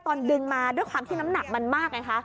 ตอนดึงมาด้วยความที่น้ำหนักมันมากไงคะ